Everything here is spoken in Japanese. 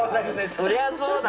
そりゃそうだ。